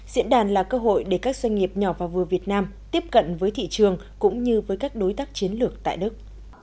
diễn đàn là cơ hội để các doanh nghiệp nhỏ và vừa việt nam tiếp cận với thị trường cũng như với các đối tác chiến lược tại đức